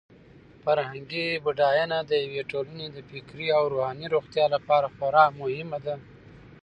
فرهنګي بډاینه د یوې ټولنې د فکري او روحاني روغتیا لپاره خورا مهمه ده.